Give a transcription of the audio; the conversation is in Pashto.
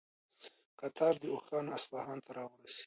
کتار د اوښانو اصفهان ته راورسېد.